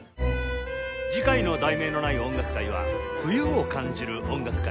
次回の『題名のない音楽会』は「冬を感じる音楽会」